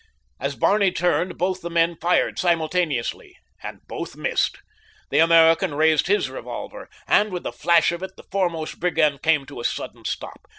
As Barney turned both the men fired simultaneously, and both missed. The American raised his revolver, and with the flash of it the foremost brigand came to a sudden stop.